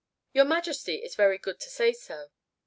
"Your Majesty is very good to say so."